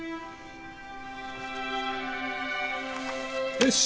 よし。